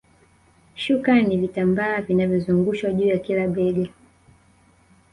Shuka ni vitambaa vinavyozungushwa juu ya kila bega